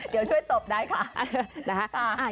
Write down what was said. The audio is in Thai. เดี๋ยวช่วยตบได้ค่ะนะฮะ